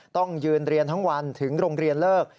ต้องยืนเรียนทั้งวันถึงโรงเรียนเลิก